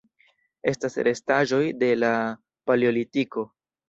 Estas restaĵoj de la Paleolitiko.